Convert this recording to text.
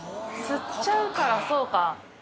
吸っちゃうからそうか。